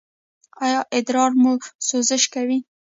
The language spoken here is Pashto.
ایا ادرار مو سوزش کوي؟